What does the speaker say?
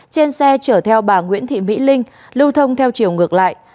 trên xe chở theo bà nguyễn thị mỹ linh lưu thông theo chiều ngược lại